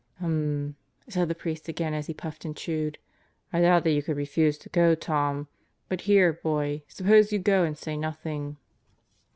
"Ummm," said the priest again as he puffed and chewed. "I doubt that you could refuse to go, Tom. But here, boy, suppose you go and say nothing."